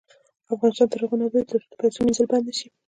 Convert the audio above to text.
افغانستان تر هغو نه ابادیږي، ترڅو د پیسو مینځل بند نشي.